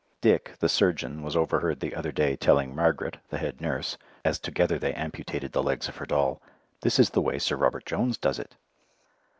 Dick, the surgeon, was overheard the other day telling Margaret, the head nurse, as together they amputated the legs of her doll, "This is the way Sir Robert Jones does it."